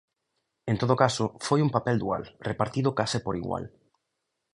En todo caso, foi un papel dual, repartido case por igual.